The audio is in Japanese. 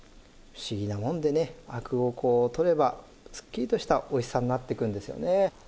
不思議なもんでねアクをこう取ればすっきりとしたおいしさになっていくんですよね。